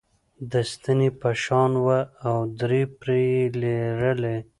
د ستنې په شان وه او درې پرې یي لرلې.